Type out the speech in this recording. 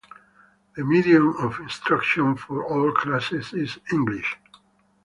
The medium of instruction for all classes is English.